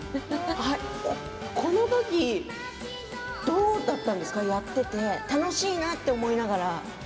この時、どうだったんですか、やっていて楽しいなって思いながら？